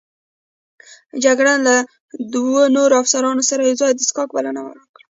جګړن د له دوو نورو افسرانو سره یوځای د څښاک بلنه راکړه.